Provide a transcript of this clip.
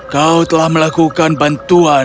kau telah melakukan bantuan